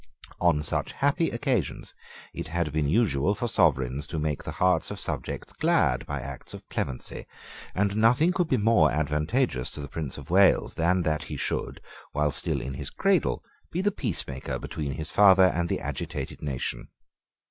On such happy occasions it had been usual for sovereigns to make the hearts of subjects glad by acts of clemency; and nothing could be more advantageous to the Prince of Wales than that he should, while still in his cradle, be the peacemaker between his father and the agitated nation.